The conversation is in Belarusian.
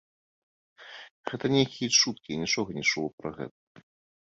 Гэта нейкія чуткі, я нічога не чула пра гэта.